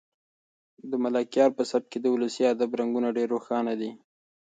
د ملکیار په سبک کې د ولسي ادب رنګونه ډېر روښانه دي.